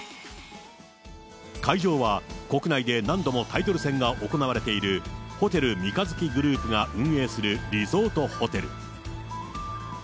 会場は、国内で何度もタイトル戦が行われているホテル三日月グループが運営するリゾートホテル。